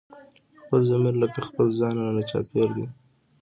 خپل ضمير لکه خپل ځان رانه چاپېر دی